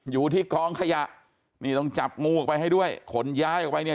อยู่ที่กองขยะนี่ต้องจับงูออกไปให้ด้วยขนย้ายออกไปเนี่ย